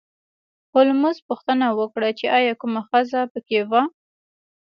هولمز پوښتنه وکړه چې ایا کومه ښځه په کې وه